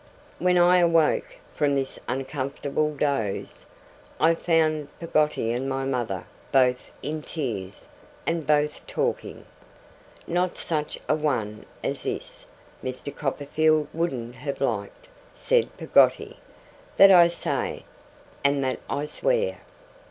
When I half awoke from this uncomfortable doze, I found Peggotty and my mother both in tears, and both talking. 'Not such a one as this, Mr. Copperfield wouldn't have liked,' said Peggotty. 'That I say, and that I swear!